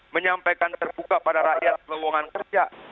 menyampaikan terbuka pada rakyat peluangan kerja